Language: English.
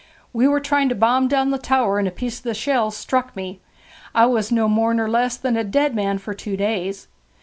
'We were trying to bomb down the tower, and a piece of the shell struck me. I was no more nor less than a dead man for two days.